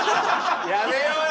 やめようよ！